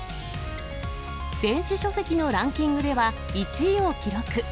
電子書籍のランキングでは１位を記録。